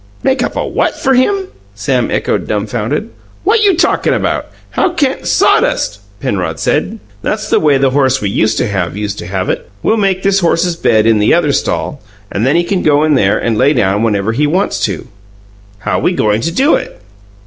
"Make up a what for him?" Sam echoed, dumfounded. "What you talkin' about? How can " "Sawdust," Penrod said. "That's the way the horse we used to have used to have it. We'll make this horse's bed in the other stall, and then he can go in there and lay down whenever he wants to." "How we goin' to do it?"